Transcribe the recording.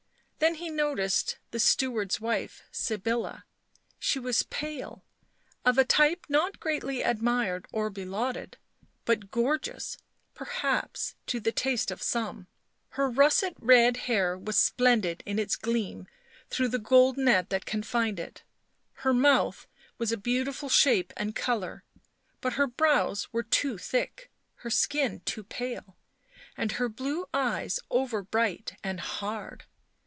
Then he noticed the steward's wife, Sybilla; she was pale, of a type not greatly admired or belauded ; but gorgeous, perhaps, to the taste of some; her russet red hair was splendid in its gleam through the gold net that confined it; her mouth was a beautiful shape and colour, but her brows were too thick, her skin too pale and her blue eyes over bright and hard.